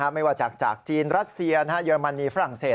ไม่ว่าจากจากจีนรัสเซียเยอรมนีฝรั่งเศส